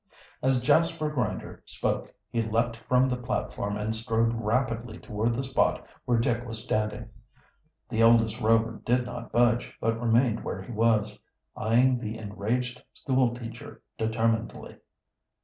As Jasper Grinder spoke he leaped from the platform and strode rapidly toward the spot where Dick was standing. The eldest Rover did not budge, but remained where he was, eying the enraged school teacher determinedly.